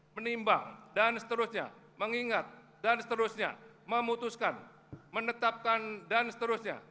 menimbang dan seterusnya mengingat dan seterusnya memutuskan menetapkan dan seterusnya